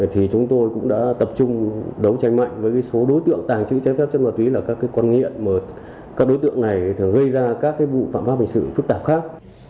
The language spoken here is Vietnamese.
thì chúng tôi cũng đã tập trung đấu tranh mạnh với số đối tượng tàng trữ trái phép chất ma túy là các con nghiện mà các đối tượng này thường gây ra các vụ phạm pháp hình sự phức tạp khác